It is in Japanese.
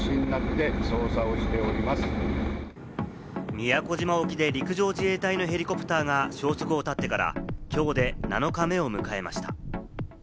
宮古島沖で陸上自衛隊のヘリコプターが消息を絶ってから今日で７日目を迎えました。